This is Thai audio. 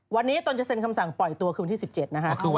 วันนี้ตนจะเซ็นคำสั่งปล่อยตัวคือวันที่๑๗นะคะ